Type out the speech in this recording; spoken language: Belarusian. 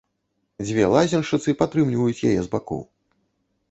Дзве лазеншчыцы падтрымліваюць яе з бакоў.